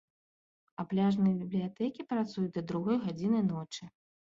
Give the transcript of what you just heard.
А пляжныя бібліятэкі працуюць да другой гадзіны ночы.